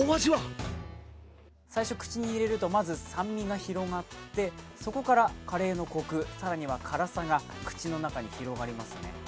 最初、口に入れるとまず酸味が広がってそこからカレーのコク、更には辛さが口の中に広がりますね。